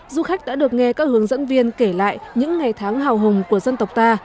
du khách đã được nghe các hướng dẫn viên kể lại những ngày tháng hào hùng của dân tộc ta